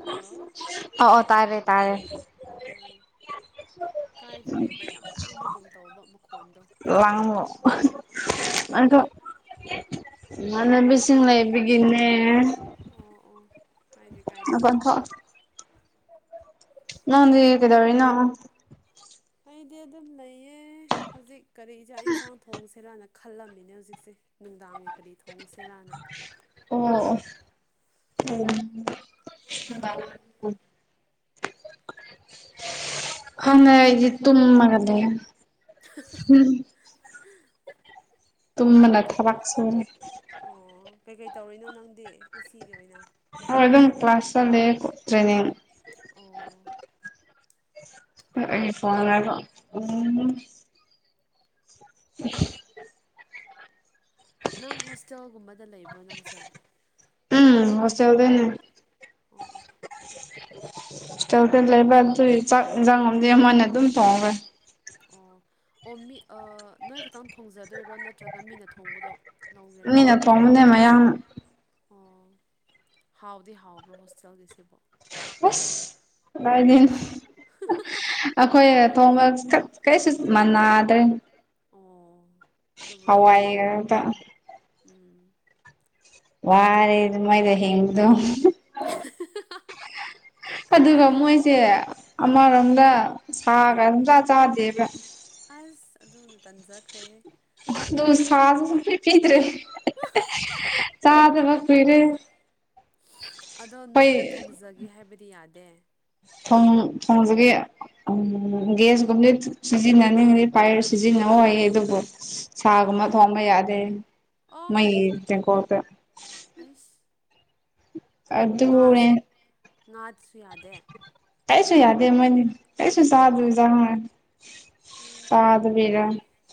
Hello ꯑꫭ ꯘꫭ ꯇꯥꯔꯦ ꯇꯥꯔꯦ ꯍꯣꯏ ꯀꯥꯏꯗ ꯂꯩꯕ꯭ꯔꯥ ꯌꯥꯝ ꯂꯥꯡꯕꯒꯨꯝ ꯇꯧꯕ ꯃꯈꯣꯟꯗꯣ [unintelligible] ꯆꯤꯡ ꯂꯩꯕꯤꯒꯤꯅꯦ ꯑꯣ ꯑꯣ ꯀꯥꯏꯗꯦ ꯀꯥꯏꯗꯦ [unintelligible] ꯅꯪꯗꯤ ꯀꯩꯗꯧꯔꯤꯅꯣ꯫ ꯑꯩꯗꯤ ꯑꯗꯨꯝ ꯂꯩꯌꯦ ꯍꯧꯖꯤꯛ ꯀꯔꯤ ꯏꯥꯛ ꯏꯟꯁꯥꯡ ꯊꯣꯡꯁꯤꯔꯥꯅ ꯈꯜꯂꯝꯃꯤꯅꯦ ꯍꯧꯖꯤꯛꯁꯦ ꯅꯨꯡꯗꯥꯡꯒꯤ ꯀꯔꯤ ꯊꯣꯡꯁꯤꯦꯔꯥꯅ ꯑꯣ ꯑꯣ ꯎꯝ꯫ [unintelligible] ꯐꯝꯃꯦ ꯑꯩꯗꯤ ꯇꯨꯝꯃꯒ ꯂꯩꯌꯦ ꯀꯩ ꯑꯣ [unintelligible] ꯀꯩꯀꯩ ꯇꯧꯔꯤꯅꯣ ꯅꯪꯗꯤ ꯉꯁꯤꯒꯤ ꯑꯣꯏꯅ꯫ ꯑꯗꯨꯝ ꯀ꯭ꯂꯥꯁ ꯆꯠꯂꯦ ꯇ꯭ꯔꯦꯅꯤꯡ ꯑꯣ꯫ [unintelligible] [inaudible] ꯅꯪ ꯍꯣꯁꯇꯦꯜꯒꯨꯝꯕꯗ ꯂꯩꯕ꯭ꯔꯣ ꯅꯪꯁꯦ ꯎꯝ ꯍꯣꯁꯇꯦꯜꯗꯩꯅꯦ꯫ ꯑꯣ ꯑꯣ ꯂꯩꯕ ꯑꯗꯨ [inaudible] ꯆꯥꯛ ꯏꯟꯁꯥꯡ ꯉꯝꯗ ꯃꯣꯏꯅ ꯑꯗꯨꯝ ꯇꯣꯡꯉꯒꯦ ꯑꯣ ꯑꯣ ꯃꯤ ꯅꯣꯏ ꯈꯛꯇꯪ ꯊꯣꯡꯖꯗꯣꯏꯔꯣ ꯅꯠꯇ꯭ꯔꯒ ꯃꯤꯅ ꯊꯣꯡꯕꯗꯣ ꯃꯤꯅ ꯊꯣꯡꯕꯅꯦ ꯃꯌꯥꯝ ꯑꯣ ꯍꯥꯎꯗꯤ ꯍꯥꯎꯕ꯭ꯔꯣ ꯍꯣꯁꯇꯦꯜꯒꯤꯁꯤꯕꯣ ꯍꯥꯏꯗꯤ ꯑꯩꯈꯣꯏ ꯊꯣꯡꯕ ꯀꯩꯁꯨ ꯃꯥꯟꯅꯗ꯭ꯔꯦ ꯑꯣ ꯑꯗꯨꯕꯨꯗꯤ ꯎꯝ ꯋꯥꯔꯦ ꯑꯗꯨꯃꯥꯏꯅ ꯍꯤꯡꯕꯗꯨ [unintelligible] ꯑꯗꯨꯒ ꯃꯣꯏꯁꯦ ꯑꯃꯔꯣꯝꯗ ꯁꯥꯒ ꯁꯨꯡꯆ ꯆꯥꯗꯦꯕ꯫ ꯑꯁ ꯑꯗꯨꯅ ꯇꯟꯖꯈ꯭ꯔꯦꯍꯦ ꯑꯗꯨ ꯁꯥꯁꯨ ꯄꯤꯗ꯭ꯔꯦ ꯆꯥꯗꯕ ꯀꯨꯏꯔꯦ ꯑꯗꯣ ꯅꯣꯏꯅ ꯊꯣꯡꯖꯒꯦ ꯍꯥꯏꯕꯗꯤ ꯌꯥꯗꯦ꯫ ꯊꯣꯡ ꯊꯣꯡꯖꯀꯦ [inaudible] [inaudible] ꯒꯨꯝꯕꯗꯤ ꯁꯤꯖꯤꯟꯅꯅꯤꯡꯑꯗꯤ ꯄꯥꯏꯔ ꯁꯤꯖꯤꯟꯅꯧ ꯍꯥꯏꯌꯦ ꯑꯗꯨꯕꯨ ꯁꯥꯒꯨꯝꯕ ꯊꯣꯡꯕ ꯌꯥꯗꯦ꯫ ꯃꯩꯗꯤꯦꯡ ꯀꯣꯄ [inaudible] ꯑꯩꯁ ꯉꯥ ꯉꯥꯁꯨ ꯌꯥꯗꯦ ꯀꯥꯏꯁꯨ ꯌꯥꯗꯦ ꯃꯣꯏꯅꯤ ꯀꯩꯁꯨ ꯁꯥꯗ ꯖꯠꯅꯤ ꯎ [inaudible]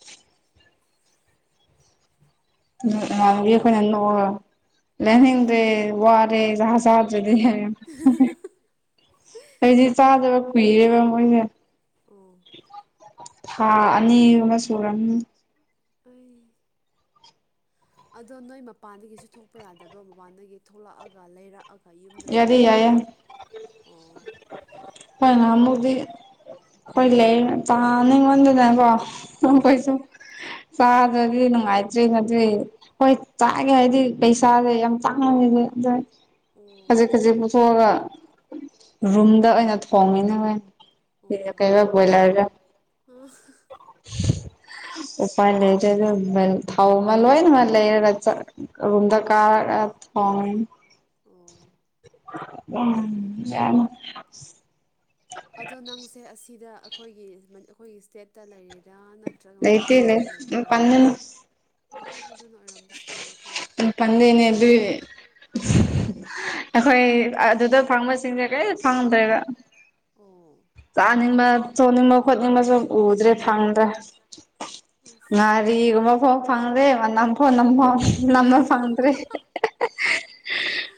ꯉꯥꯡꯒꯤ ꯑꯩꯈꯣꯏꯅ ꯅꯣꯡꯑꯒ ꯂꯅꯤꯡꯗꯔꯦ ꯋꯥꯔꯦ ꯁꯥ ꯆꯗꯔꯗꯤ ꯍꯥꯢꯌꯣ ꯑꯩꯗꯤ ꯆꯥꯗꯕ ꯀꯨꯏꯔꯦꯕ ꯃꯣꯏꯅꯦ ꯊꯥ ꯑꯅꯤꯒꯨꯝꯕ ꯁꯨꯔꯝꯅꯤ ꯁꯨ [inaudible] ꯑꯩ ꯑꯗꯣ ꯅꯣꯏ ꯃꯄꯥꯟꯗꯒꯤꯁꯨ ꯊꯣꯛꯄ ꯌꯥꯗꯕ꯭ꯔꯣ ꯃꯄꯥꯟꯗꯒꯤ ꯊꯣꯛꯂꯛꯑꯒ ꯂꯩꯔꯛꯑꯒ ꯍꯣꯏ ꯌꯨꯝꯗ ꯑꯗꯨꯝ ꯑꯣ ꯍꯣꯏ ꯉꯥꯃꯨꯛꯗꯤ ꯑꯩꯈꯣꯏ ꯂꯩꯔꯒ ꯆꯥꯅꯤꯡꯃꯟꯗꯅꯀꯣ ꯎꯝ꯫ ꯆꯥꯗ꯭ꯔꯗꯤ ꯅꯨꯡꯉꯥꯏꯇ꯭ꯔꯦ ꯅꯠꯇꯦ ꯍꯣꯏ ꯆꯥꯒꯦ ꯍꯥꯏꯗꯤ ꯄꯩꯁꯥꯁꯦ ꯌꯥꯝ ꯇꯥꯡꯉꯤꯅꯦ ꯑ ꯈꯖꯤꯛ ꯈꯖꯤꯛ ꯄꯨꯊꯣꯛꯑꯒ ꯔꯨꯝꯗ ꯑꯣꯏꯅ ꯊꯣꯡꯉꯤꯅꯦ ꯀꯩꯅꯣ ꯕꯣꯏꯂꯔꯗ ꯑꯥ꯫ [unintelligible] ꯎꯥꯄꯏ ꯂꯩꯇꯦ ꯃ ꯊꯥꯎ ꯂꯣꯏ ꯃꯛ ꯂꯩꯔꯒ ꯔꯨꯝꯗ ꯀꯥꯔꯒ꯫ ꯊꯣꯡꯉꯦ ꯎꯝ ꯌꯥꯝ꯫ ꯑꯗꯣ ꯅꯪꯁꯦ ꯑꯁꯤꯗ ꯑꯩꯈꯣꯏꯒꯤ ꯑꯩꯈꯣꯏꯒꯤ ꯏꯁꯇꯦꯠꯇ ꯂꯩꯔꯤꯔꯥ ꯅꯠꯇ꯭ꯔꯒ ꯃꯄꯥꯟ ꯂꯝꯗ ꯂꯩꯕ꯭ꯔꯣ ꯑꯣ ꯑꯗꯨꯅ ꯑꯣꯏꯔꯝꯕꯁꯨ ꯌꯥꯏꯀꯣ ꯄꯥꯟꯗꯦꯅꯦ ꯑꯗꯨꯢ꯫ ꯑꯩꯈꯣꯏ ꯑꯗꯨꯗ ꯐꯥꯕꯁꯤꯡꯁꯦ ꯀꯔꯤ ꯐꯪꯗ꯭ꯔꯦꯕ ꯑꯣ ꯆꯥꯅꯤꯡꯕ ꯊꯣꯡꯅꯤꯡꯕ ꯈꯣꯠꯅꯤꯡꯕꯁꯨ ꯎꯗ꯭ꯔꯦ ꯐꯪꯗ꯭ꯔꯦ ꯑꯁ ꯉꯔꯤꯒꯨꯝ ꯐꯥꯎ ꯐꯪꯗ꯭ꯔꯦ ꯃꯅꯝꯐꯧ ꯅꯝ ꯐꯪꯗꯔꯦ꯫ [unintelligible]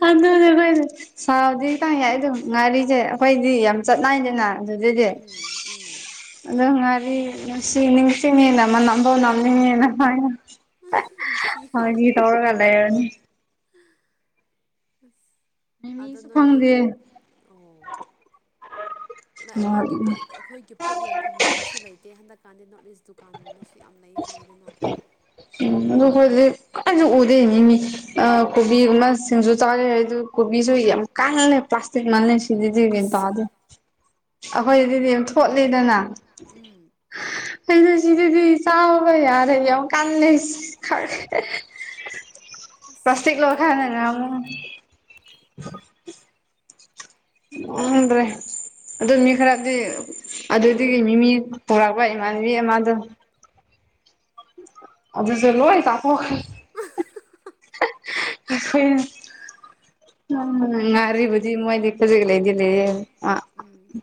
ꯑꯗꯨꯅꯦ ꯑꯈꯣꯏꯗꯤ꯫ ꯁꯥꯎꯗꯤꯗ ꯌꯥꯏ ꯑꯗꯨ ꯉꯥꯔꯤꯁꯦ ꯑꯩꯈꯣꯏꯗꯤ ꯌꯥꯝ ꯆꯠ ꯅꯥꯏꯗꯅ꯫ ꯎꯝ ꯎꯝ꯫ ꯑꯗꯨ ꯉꯥꯔꯤ ꯉꯅꯨꯡꯁꯤ ꯅꯤꯡꯁꯤꯡꯉꯦꯅ ꯅꯝꯝꯗꯣ ꯅꯝꯅꯤꯡꯉꯦꯅ ꯍꯥꯏꯌꯦ꯫ ꯐꯒꯤ ꯇꯧꯔꯒ ꯂꯩꯔꯅꯤ꯫ ꯑꯁ ꯑꯗꯣ ꯅꯣꯏꯗꯤ ꯑꯣ꯫ ꯑꯩꯈꯣꯏꯒꯤ ꯄꯣꯠ ꯑꯩꯈꯣꯏꯒꯤ ꯄꯣꯠ ꯌꯣꯟꯐꯝꯒꯨꯝꯕꯁꯨ ꯂꯩꯇꯦ ꯍꯟꯗꯛꯀꯥꯟꯗꯤ ꯅꯣꯔꯠ ꯏꯁ ꯗꯨꯀꯥꯟꯒꯨꯝꯕꯁꯨ꯫ ꯌꯥꯝ ꯂꯩ ꯍꯥꯏꯗꯅ ꯑꯗꯣ ꯍꯧꯖꯤꯛ ꯀꯅꯥꯁꯨ ꯎꯗꯦ ꯃꯥ ꯑꯥ ꯀꯣꯕꯤꯒꯨꯝꯕ ꯁꯤꯡꯖꯨ ꯆꯥꯔꯦ ꯍꯥꯏꯗꯨ ꯀꯣꯕꯤꯁꯨ ꯌꯥꯝ ꯀꯥꯟꯂꯦ ꯄ꯭ꯂꯥꯁꯇꯤꯛ ꯃꯜꯂꯦ ꯁꯤꯗꯗꯤꯒꯥꯟ ꯇꯥꯗꯦ ꯑꯗꯨ [inaudible] ꯑꯩꯈꯣꯏ ꯑꯗꯨꯗꯤ ꯌꯥꯝ ꯊꯣꯠꯂꯦꯗꯅ ꯑꯗꯨ ꯁꯤꯗꯗꯤ ꯆꯥꯎꯒꯣ ꯌꯥꯔꯦ ꯌꯝ ꯀꯥꯜꯂꯦ ꯑꯁ꯫ ꯀꯔꯥꯝ ꯅꯣꯢ [inaudible] [unintelligible] ꯈꯪꯗꯔꯦ ꯑꯗꯨ ꯃꯤ ꯈꯔꯗꯤ꯫ ꯑꯗꯨꯗꯤ ꯃꯤ ꯄꯣꯔꯛꯄ ꯏꯃꯥꯟꯅꯕꯤ ꯑꯃꯗꯣ꯫ ꯑꯗꯨꯗ ꯂꯣꯏꯣꯏ ꯀꯥꯞꯊꯣꯛ ꯈꯔ [inaudible] ꯉꯔꯤꯕꯨꯗꯤ ꯃꯣꯏꯗꯤ ꯈꯖꯤꯛ ꯂꯩꯗꯤ ꯂꯩꯌꯦ ꯑꯥ꯫ ꯎꯝ꯫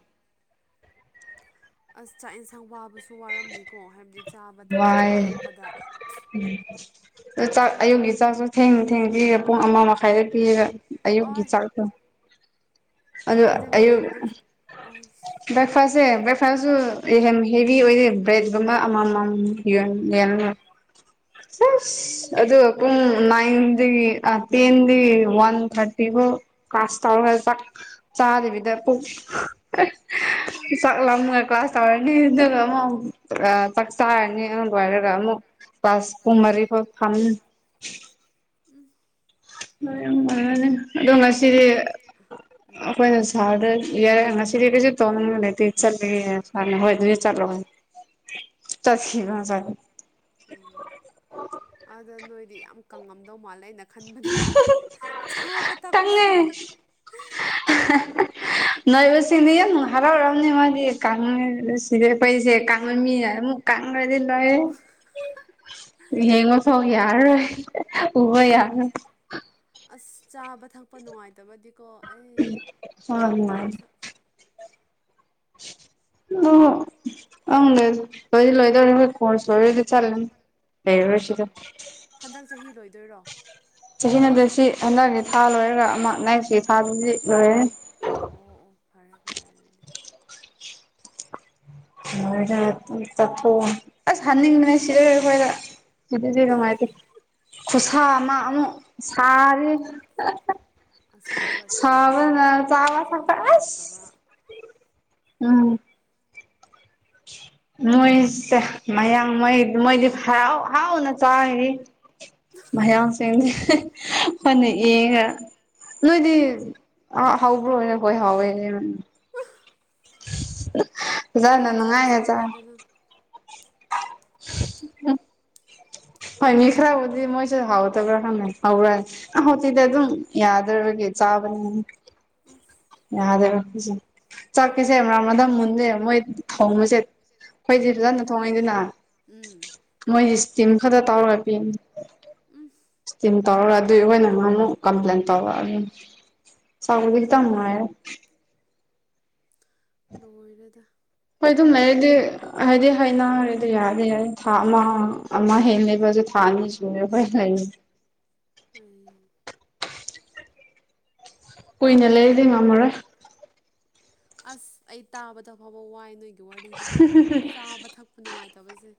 ꯑꯁ ꯆꯥꯛ ꯌꯦꯟꯁꯥꯡ ꯋꯥꯕꯁꯨ ꯋꯥꯔꯝꯅꯤꯀꯣ ꯍꯥꯏꯕꯗꯤ ꯌꯥꯏꯌꯦ ꯆꯥꯛ ꯑꯌꯨꯛꯒꯤ ꯆꯛꯁꯨ ꯊꯦꯡ ꯊꯦꯡ ꯄꯤꯌꯦ ꯄꯨꯡ ꯑꯃ ꯃꯈꯥꯏꯗ ꯄꯤꯔꯒ ꯑꯌꯨꯛꯀꯤ ꯆꯥꯛꯇꯣ꯫ ꯑꯗꯨꯗꯤ꯫ [unintelligible] ꯕ꯭ꯔꯦꯛꯐꯥꯁꯁꯦ ꯕ꯭ꯔꯐꯥꯁꯨ [unintelligible] ꯕꯔꯦꯠ ꯀꯨꯝꯕ꯫ [unintelligible] ꯑꯁ ꯑꯗꯨꯒ ꯄꯨꯡ ꯅꯥ꯭ꯅꯏꯒꯤ ꯑꯥ ꯇꯦꯟꯗꯒꯤ ꯇꯦꯟꯊꯥꯔꯇꯤꯕꯧ꯫ ꯀꯥꯂꯥꯁ ꯇꯧꯔꯒ ꯆꯥꯛ ꯆꯥꯗꯕꯤꯗ ꯄꯨꯛ ꯆꯛꯂꯝꯂꯒ ꯀ꯭ꯂꯥꯁ ꯇꯧꯔꯅꯤ ꯑꯗꯨꯒ ꯑꯃꯨꯛ꯫ ꯆꯥꯛ ꯆꯔꯅꯤ ꯑꯗꯨ ꯂꯣꯏꯔꯒ ꯑꯃꯨꯛ ꯀ꯭ꯂꯥꯁ ꯄꯨꯡ ꯃꯔꯤ ꯐꯥꯎ ꯐꯝꯃꯤ꯫ [unintelligible] [unintelligible] ꯅꯣꯏ꯫ ꯑꯩꯈꯣꯏꯅ ꯁꯥꯔꯗꯔ ꯉꯁꯤꯗꯤ ꯀꯩꯁꯨ ꯇꯧꯅꯤꯡꯉꯏ ꯂꯩꯇꯦ ꯆꯠꯂꯒꯦ ꯁꯥꯔꯅ ꯍꯣꯏ ꯑꯗꯨꯗꯤ ꯑꯣꯏꯗꯦ ꯆꯂꯣ꯫ [unintelligible] ꯎꯝ ꯑꯗ ꯅꯣꯏꯗꯤ ꯌꯥꯝ ꯀꯪꯉꯝꯗꯧ ꯃꯥꯜꯂꯦ ꯑꯩꯅ ꯈꯟꯕꯗ꯫ ꯆꯥꯕ ꯇꯄꯁꯤ ꯈꯔ꯫ [unintelligible] ꯅꯣꯏꯕꯁꯤꯡꯗꯤ ꯌꯥꯝ ꯍꯔꯥꯎꯔꯔꯝꯅꯤ ꯃꯣꯏꯗꯤ [unintelligible] ꯑꯃꯨꯛ ꯀꯒꯔꯗꯤ ꯂꯣꯏꯔꯦ꯫ ꯌꯦꯡꯕ ꯐꯥꯎ ꯌꯥꯔꯔꯣꯏ ꯎꯕ ꯐꯥꯎ ꯌꯔꯔꯣꯏ꯫ ꯑꯁ ꯆꯥꯕ ꯊꯛꯄ ꯅꯨꯡꯉꯥꯏꯇꯕꯗꯤꯀꯣ ꯑꯩ ꯉꯝꯗꯦ ꯑꯩꯁꯨꯝ꯫ [inaudible] ꯑꯣ ꯈꯪꯗꯦ ꯂꯣꯏꯗꯤ ꯂꯣꯏꯗꯧꯔ ꯑꯩꯈꯣꯏ ꯀꯣꯔꯁ ꯂꯣꯏꯔꯗꯤ ꯆꯠꯂꯅꯤ꯫ ꯂꯩꯔꯔꯣꯏꯁꯤꯗ꯫ ꯍꯟꯗꯛ ꯆꯍꯤ ꯂꯣꯏꯗꯣꯏꯔꯣ꯫ ꯆꯍꯤꯅꯗꯦꯠꯁꯤ ꯍꯟꯗꯛꯀꯤ ꯊꯥ ꯂꯣꯏꯔꯒ ꯑꯃꯨꯛ ꯅꯥꯏꯛꯁꯤꯒꯤ ꯊꯥꯕꯗꯨꯗꯤ ꯂꯣꯏꯔꯅꯤ꯫ ꯑꯣ ꯑꯣ ꯐꯔꯦ ꯐꯔꯦ ꯑꯗꯨꯗꯤ꯫ [inaudible] ꯆꯥꯛꯊꯣꯡ ꯑꯁ ꯍꯥꯟꯅꯤꯡꯕꯅ ꯁꯤꯗ ꯑꯩꯈꯣꯏꯗ ꯁꯤꯗꯗꯤ ꯅꯨꯡꯉꯥꯏꯇꯦ꯫ ꯈꯨꯠꯁꯥ ꯑꯃ ꯑꯃꯨꯛ ꯁꯥꯔꯦ ꯁꯕꯅ ꯆꯕ ꯊꯛꯄ ꯑꯥꯁ ꯃꯣꯏꯁꯦ ꯃꯌꯥꯡ ꯃꯣꯏ ꯃꯣꯏꯗꯤ ꯍꯥꯎ ꯍꯥꯎꯅ ꯆꯥꯔꯤ ꯃꯌꯥꯡꯁꯤꯡꯁꯦ [unintelligible] ꯅꯣꯏꯗꯤ ꯑ ꯍꯧꯕ꯭ꯔꯣ ꯍꯣꯏ ꯍꯥꯎꯋꯦꯅꯦ ꯐꯥꯖꯅ ꯅꯨꯡꯉꯥꯏꯅ ꯆꯥꯎ꯫ [unintelligible] ꯐꯒꯤ ꯈꯔꯕꯨꯗꯤ ꯃꯣꯏꯁꯨ ꯍꯥꯎꯗꯕ꯭ꯔꯥ ꯈꯪꯗꯦ ꯍꯧꯕ꯭ꯔꯥꯅꯤ ꯍꯧꯎꯇꯤꯗꯤ ꯑꯗꯨꯝ ꯌꯥꯗꯔꯒꯤ꯫ ꯆꯕꯅꯤ꯫ ꯑꯁ꯫ ꯌꯥꯗꯔꯣ ꯆꯛꯀꯤꯁꯦ ꯃꯔ ꯃꯗ ꯃꯨꯟꯁꯦ ꯃꯣꯏ ꯊꯣꯡꯕꯁꯦ ꯑꯩꯈꯣꯏꯗꯤ ꯐꯖꯅ ꯊꯣꯡꯉꯤꯗꯅ ꯃꯣꯏꯗꯤ ꯏꯁꯇꯤꯝ ꯈꯛꯇ ꯇꯥꯎꯔꯒ ꯄꯤ ꯎꯝ ꯏꯁꯇꯤꯝ ꯇꯧꯔꯒ ꯑꯗꯨꯏ ꯑꯩꯈꯣꯏꯅ ꯑꯃꯨꯛ ꯀꯝꯄ꯭ꯂꯦꯟ ꯇꯧꯔꯛ ꯑꯗꯨ ꯂꯣꯏꯔꯦꯗ ꯍꯣꯏ ꯑꯗꯨꯝ ꯂꯩꯔꯗꯤ ꯍꯥꯏꯗꯤ ꯍꯩꯅꯔꯦꯗ ꯌꯥꯔꯦ ꯊꯥ ꯑꯃ ꯑꯃ ꯍꯦꯟꯂꯦꯕ ꯑꯥꯗꯨ ꯊꯥ ꯑꯅꯤ ꯁꯨꯔꯦ ꯑꯩꯈꯣꯏ ꯂꯩꯁꯦ ꯑꯩ ꯀꯨꯏꯅ ꯂꯩꯔꯗꯤ ꯉꯝꯃꯔꯣꯏ ꯑꯁ ꯑꯩ ꯇꯥꯕꯗ ꯐꯥꯎꯕ ꯋꯥꯏ ꯅꯣꯏꯒꯤ ꯋꯥꯔꯤꯗꯣ ꯆꯥꯕ ꯊꯛꯄ ꯅꯨꯡꯉꯥꯏꯇꯕꯁꯦ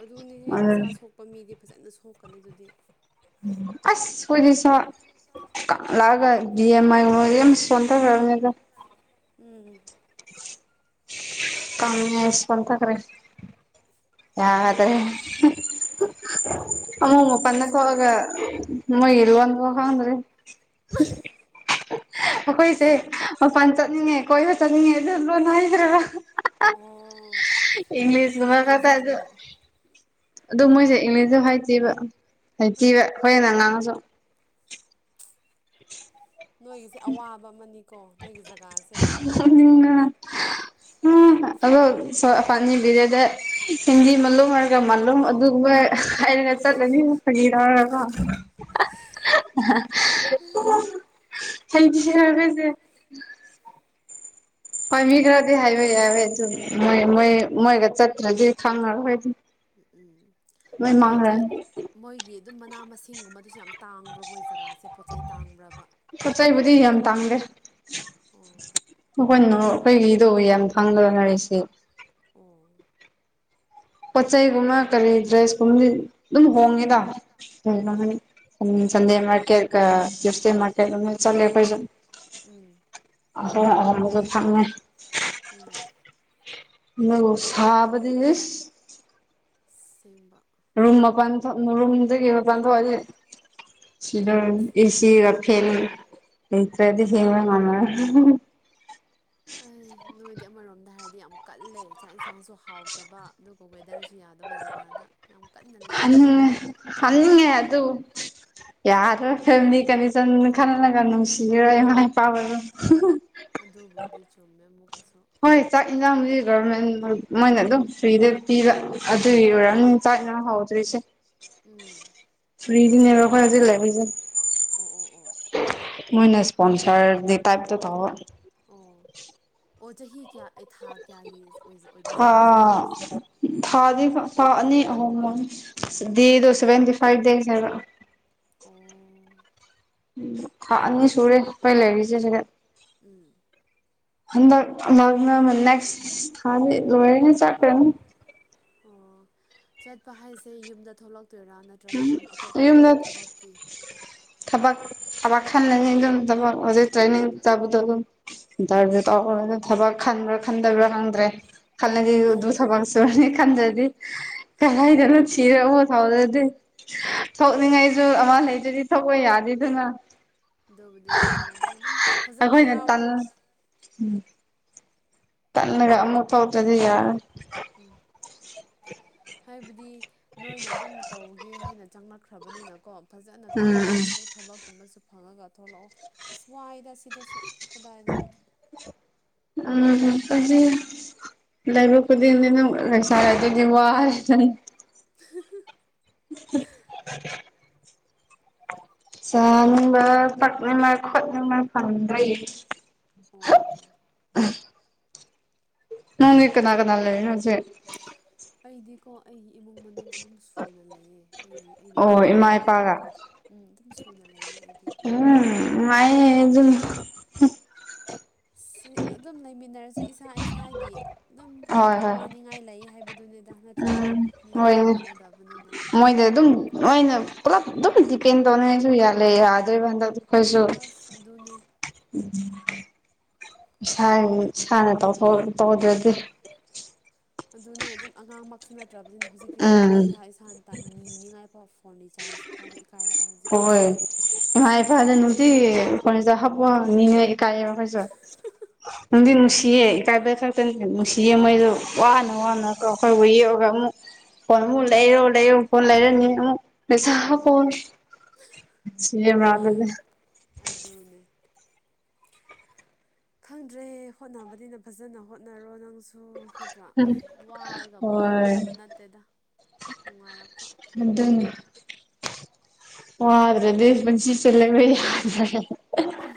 ꯑꯗꯨꯅꯦꯍꯦ ꯃꯁꯥ ꯁꯣꯛꯄ ꯄ ꯃꯤꯗꯤ ꯐꯖꯅ ꯁꯣꯛꯀꯅꯤ ꯑꯗꯨꯗꯤ ꯑꯁ ꯁꯨ [unintelligible] ꯎꯝ [unintelligible] ꯊꯈꯔꯦ ꯊꯈꯔꯦ ꯌꯥꯗ꯭ꯔꯦ ꯑꯃꯨꯛ ꯃꯄꯟꯗ ꯊꯣꯡ ꯑꯒ ꯃꯣꯏꯂꯣꯟ ꯈꯪꯗꯔꯦ ꯑꯩꯈꯣꯏ ꯃꯄꯥꯜ ꯆꯠꯅꯤꯡꯉꯦ ꯀꯣꯏꯕ ꯆꯠꯅꯤꯡꯉꯦ ꯑꯗꯨ ꯂꯣꯟ ꯍꯩꯇꯔ꯭ꯦꯕ ꯑꯣ ꯏꯪꯂꯤꯁ ꯀꯗ ꯑꯗꯨ ꯑꯗꯨ ꯃꯣꯏꯁꯦ ꯏꯪꯂꯤꯁꯇ ꯍꯥꯏꯇꯤꯕ ꯍꯥꯏꯇꯤꯕ ꯍꯣꯏꯅ ꯉꯥꯡꯉꯁꯨ ꯅꯣꯏꯒꯤꯁꯦ ꯑꯋꯥꯕ ꯑꯃꯅꯤꯀꯣ ꯅꯣꯏꯒꯤ ꯖꯒꯥꯁꯦ [unintelligible] ꯄꯅꯤꯔꯌꯥꯅꯤ ꯑꯗꯨꯗ ꯍꯤꯟꯗꯤ ꯃꯂꯨꯝ ꯍꯥꯏꯔꯒ ꯃꯂꯨꯝ ꯑꯗꯨꯒꯨꯝꯕ ꯍꯥꯏꯒ ꯆꯠꯂꯅꯤ ꯐꯒꯤ ꯇꯧꯔꯒ [unintelligible] ꯍꯣꯏ ꯃꯤ ꯈꯔꯗꯤ ꯍꯥꯏꯕ ꯌꯥꯏꯋꯦ ꯑꯗꯨ ꯃꯣꯏ ꯃꯣꯏ ꯃꯣꯏꯒ ꯆꯠꯇ꯭ꯔꯗꯤ ꯈꯪꯉꯔꯣꯏꯗꯨꯝ ꯎꯝ ꯎꯝ ꯑꯗꯣ ꯃꯣꯏꯒꯤ ꯑꯗꯨꯝ ꯃꯅꯥ ꯃꯁꯤꯡꯒꯨꯝꯕꯗꯨꯁꯨ ꯌꯥꯝ ꯇꯥꯡꯕ꯭ꯔꯣ ꯃꯣꯏ ꯖꯒꯥꯁꯦ ꯄꯣꯠ ꯆꯩ ꯇꯥꯡꯕ꯭ꯔꯕ ꯄꯣꯠ ꯆꯩꯕꯨꯗꯤ ꯌꯥꯝ ꯇꯥꯡꯗꯦ ꯑꯩꯈꯣꯏꯅ ꯑꯩꯈꯣꯏꯒꯤꯗꯣꯕꯨ ꯌꯥꯝ ꯊꯥꯡꯗꯅꯔꯤꯁꯤ ꯑꯣ ꯄꯣꯠꯆꯩꯒꯨꯝꯕ ꯀꯔꯤ ꯗ꯭ꯔꯦꯁꯀꯨꯝꯕꯗꯤ ꯑꯗꯨꯝ ꯍꯣꯡꯉꯤꯗ ꯁꯟꯗꯦ ꯃꯥꯔꯀꯠꯀ ꯇꯌꯨꯁꯗꯦ ꯃꯥꯔꯀꯠꯀ ꯆꯠꯂꯦ ꯑꯩꯈꯣꯏꯁꯨ [unintelligible] ꯎꯝ [unintelligible] ꯁꯦꯡꯕ ꯔꯨꯝ ꯃꯄꯥꯟ ꯊꯣꯛꯅꯣ ꯔꯨꯝꯗꯒꯤ ꯃꯄꯥꯟ ꯊꯣꯛꯑꯗꯤ ꯁꯤꯗ ꯏꯁꯤꯒ ꯐꯦꯟꯒ ꯏꯇꯗꯤ ꯍꯤꯡꯕ ꯉꯝꯃꯔꯣꯏ ꯑꯩ ꯅꯣꯏꯗꯤ ꯑꯃꯔꯣꯝꯗ ꯍꯥꯏꯔꯗꯤ ꯌꯥꯝ ꯀꯜꯂꯦ ꯆꯥꯛ ꯌꯦꯟꯁꯥꯡꯁꯨ ꯍꯥꯎꯇꯕ ꯋꯦꯗꯔꯁꯨ ꯌꯥꯗꯕ ꯖꯒꯥꯗ ꯍꯟꯅꯤꯡꯉꯦ ꯑꯗꯨ ꯌꯥꯗ꯭ꯔꯣ ꯐꯦꯃꯤꯂꯤ ꯀꯗꯤꯁꯟ ꯈꯜꯂꯒ ꯅꯨꯡꯁꯤꯔꯛꯑꯦ ꯏꯃꯥ ꯏꯄꯥꯁꯨ ꯑꯗꯨꯕꯨꯙꯤ ꯆꯝꯃꯦ ꯑꯃꯨꯛꯀꯁꯨ ꯍꯣꯏ ꯆꯥꯛ ꯏꯟꯖꯥꯡꯗꯤ ꯒꯚꯔꯃꯦꯟ ꯃꯣꯏꯅ ꯑꯗꯨꯝ ꯐ꯭ꯔꯤꯗ ꯄꯤꯕ ꯑꯗꯨꯒꯤ ꯑꯣꯏꯔꯝꯅꯤ ꯆꯥꯛꯌꯦꯡ ꯍꯥꯎ ꯔꯤꯁꯦ ꯎꯝ ꯐꯔꯤꯗꯤꯅꯦꯕ ꯑꯈꯣꯏ ꯍꯧꯖꯤꯛ ꯂꯩꯔꯤꯁꯤ ꯑꯣ ꯑꯣ ꯑꯣ ꯃꯣꯏꯅ ꯏꯁꯄꯣꯟꯁꯔꯗꯤ ꯇꯥꯏꯞꯇ ꯇꯧꯕ ꯑꯣ ꯑꯣ ꯆꯍꯤ ꯀꯌꯥ ꯑꯩ ꯊꯥ ꯀꯌꯥꯒꯤ ꯑꯣꯏꯖ ꯑꯣꯏꯕꯖꯥꯠꯅꯣ ꯁꯤꯒꯨꯝꯕꯁꯦ ꯊꯥꯗꯤ ꯊꯥ ꯑꯅꯤ ꯑꯍꯨꯝ ꯗꯦꯗꯣ ꯁꯚꯦꯟꯇꯤ ꯐꯥꯏꯚ ꯗꯦꯁ ꯍꯥꯏꯕ ꯑꯣ ꯊꯥ ꯑꯅꯤ ꯍꯅꯤ ꯁꯨꯔꯦꯁ ꯂꯩꯔꯤꯁꯤꯦ ꯁꯨꯔꯦ ꯎꯝ ꯂꯅ ꯅꯦꯛꯁ ꯊ ꯂꯣꯏꯔꯅꯦ ꯆꯀ꯭ꯔꯦ ꯑꯣ ꯆꯠꯄ ꯍꯥꯏꯁꯦ ꯌꯨꯝꯗ ꯊꯣꯛꯂꯛꯇꯣꯏꯔꯥ ꯅꯠꯇ꯭ꯔꯒ ꯃꯐꯝ ꯑꯇꯣꯞꯄꯗ ꯑꯃꯨꯛ ꯊꯕꯛꯀꯤ ꯊꯕꯛ ꯑꯃ ꯈꯜꯂꯦ [unintelligible] [unintelligible] ꯊꯕꯛ ꯈꯟꯕ꯭ꯔꯥ ꯈꯟꯗꯕ꯭ꯔꯥ ꯈꯪꯗ꯭ꯔꯦ ꯈꯜꯂꯗꯤ ꯑꯗꯨ ꯊꯕꯛ ꯁꯨꯔꯅꯤ ꯈꯟꯗ꯭ꯔꯗꯤ [unintelligible] ꯊꯣꯛꯅꯤꯡꯉꯥꯏꯁꯨ ꯑꯃ ꯂꯩꯖꯗꯤ ꯊꯣꯛꯄ ꯌꯥꯅꯤꯗꯨꯅ ꯑꯗꯨꯕꯨꯗꯤ ꯆꯨꯝꯃꯦꯗꯣ ꯑꯗꯨꯝ ꯐꯖꯅ ꯌꯥꯎꯔꯦ ꯎꯝ ꯇꯜꯂꯒ ꯑꯃꯨꯛ ꯊꯣꯛꯂꯛꯇꯔꯗꯤ ꯌꯥꯔꯣꯏ ꯍꯥꯏꯕꯗꯤ ꯅꯣꯏꯅ ꯑꯗꯨꯝ ꯇꯧꯒꯦ ꯍꯥꯏꯅ ꯆꯪꯂꯛꯈ꯭ꯔꯕꯅꯤꯅꯀꯣ ꯐꯖꯅ ꯇꯧꯔꯒ ꯑꯃꯨꯛ ꯊꯕꯛꯀꯨꯝꯕꯁꯨ ꯐꯪꯉꯒ ꯊꯣꯛꯂꯛꯑꯣ ꯑꯁ꯭ꯋꯥꯏꯗ ꯁꯤꯗꯁꯨ ꯀꯗꯥꯏꯗꯒꯤ ꯎꯝ ꯍꯨꯖꯤꯛ [unintelligible] [inaudible] [inaudible] ꯆꯥꯕ ꯄꯛꯅꯤꯡꯉ ꯈꯣꯠꯅꯤꯡꯉ ꯐꯪꯗ꯭ꯔꯦ [unintelligible] ꯑꯩꯗꯤꯀꯣ ꯑꯩꯒꯤ ꯏꯃꯨꯡ ꯃꯅꯨꯡ ꯑꯗꯨꯝ ꯁꯨꯅ ꯂꯩꯌꯦ ꯑꯩꯒꯤ ꯑꯩꯅ ꯑꯗꯨꯝ ꯌꯨꯝꯗ ꯂꯩꯕꯀꯣ ꯎꯝ ꯑꯗꯨꯝ ꯁꯨꯅ ꯂꯩꯌꯦ ꯑꯩꯗꯤ ꯎꯝ ꯃꯥꯏ [unintelligible] ꯁ ꯑꯗꯨꯝ ꯂꯩꯃꯤꯟꯅꯔꯁꯨ ꯏꯁꯥ ꯏꯁꯥꯒꯤ ꯑꯗꯨꯝ ꯋꯥꯅꯤꯡꯉꯥꯏ ꯂꯩ ꯍꯥꯏꯕꯗꯨꯅꯤꯗ ꯅꯠꯇ꯭ꯔꯥ ꯍꯣꯏ ꯃꯣꯏꯗ ꯑꯗꯨꯝ ꯃꯣꯏꯅ ꯄꯨꯂꯞ ꯑꯗꯨꯝ ꯗꯤꯄꯦꯟ ꯇꯧꯅꯉꯥꯏꯁꯨ ꯌꯥꯜꯂꯦ [unintelligible] ꯎꯝ ꯏꯁꯥ ꯏꯁꯥꯅ ꯇꯧꯗ꯭ꯔꯗꯤ ꯑꯗꯨꯅꯦ ꯑꯗꯨꯝ ꯑꯉꯥꯡꯃꯛꯁꯨ ꯅꯠꯇ꯭ꯔꯕꯗꯤꯅ ꯍꯧꯖꯤꯛꯇꯤ ꯅꯠꯇ꯭ꯔꯥ ꯏꯁꯥ ꯏꯁꯥ ꯅꯤꯅꯤꯡꯉꯥꯏ ꯐꯥꯎ ꯐꯣꯟ ꯆꯥꯔꯖꯀꯤ ꯐꯥꯎꯕ ꯏꯀꯥꯏꯔꯛꯑꯦ ꯍꯧꯖꯤꯛꯇꯤ ꯃꯥꯏ ꯏꯐꯥꯦ ꯅꯗꯤ ꯐꯅꯤꯖꯥ ꯍꯥꯕꯅꯤꯅꯤ ꯀꯥꯏꯕ ꯍꯥꯏꯖ ꯅꯪꯗꯤ ꯅꯨꯡꯁꯤꯌꯦ ꯏꯀꯥꯏꯕꯦꯜ ꯈꯛꯇꯅꯤ ꯅꯨꯡꯁꯤꯌꯦꯉꯩꯗꯣ ꯋꯥꯅ ꯋꯥꯅꯀꯣ ꯍꯣꯏ ꯌꯧꯔꯒ ꯑꯃꯨꯛ ꯐꯣꯟ ꯑꯃꯨꯛ ꯂꯩꯔꯣ ꯂꯩꯔꯣ ꯐꯣꯟ ꯂꯩꯔꯅꯤ ꯑꯃꯨꯛꯁꯥ ꯐꯣꯟ ꯁꯤ ꯂ ꯑꯗꯨꯗ ꯑꯗꯨꯗꯅꯦ ꯈꯪꯗ꯭ꯔꯦ ꯍꯣꯠꯅꯕꯅꯤꯅ ꯐꯖꯅ ꯍꯣꯠꯅꯔꯣ ꯅꯪꯁꯨ ꯅꯠꯇ꯭ꯔꯥ ꯑꯍꯩ ꯋꯥꯔꯒꯕꯨ ꯂꯩꯕ ꯌꯥꯕ ꯅꯠꯇꯦꯗ ꯅꯨꯡꯉꯥꯏꯔꯛꯄ ꯑꯗꯨ ꯋꯥ꯭ꯔ ꯑꯗꯨꯦ ꯃꯟꯁꯤꯁꯂꯒ ꯌꯥ꯭ꯔ ꯍꯝ